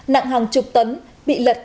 nặng hàng chục tấn bị lật